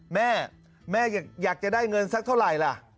แม่แม่อยากจะได้เงินสักเท่าไหร่ล่ะ